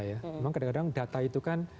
memang kadang kadang data itu kan